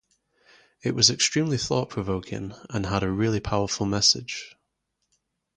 It was extremely thought-provoking and had a really powerful message.